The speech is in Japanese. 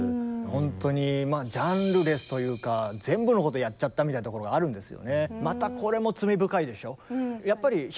ほんとにまあジャンルレスというか全部のことやっちゃったみたいなところがあるんですよね。